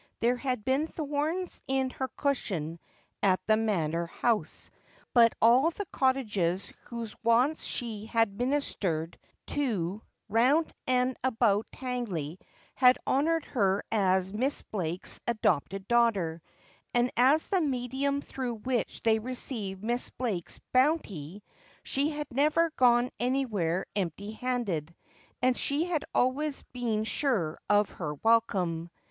There had been thorns in her cn diioii 'it the Mauor House ; bus a. I the cottag. vs wuv e wants she had ministered to l. ind and about Tangiey had honoured her as }Iiss Blake's ;■ .iopte i daughter, and as the medium thi\oi_di ■which they re eive I Miss Blake s bouaty. .See had never g >ue ary where enij.ty i.ai.ded, and she had always been sure of iier wtle line.